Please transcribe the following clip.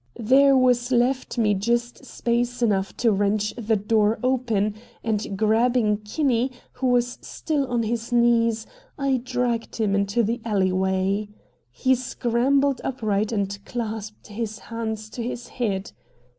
There was left me just space enough to wrench the door open, and grabbing Kinney, who was still on his knees, I dragged him into the alleyway. He scrambled upright and clasped his hands to his head.